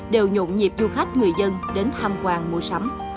đều nhộn nhịp du khách người dân đến tham quan mua sắm